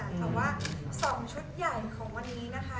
แต่ว่า๒ชุดใหญ่ของวันนี้นะคะ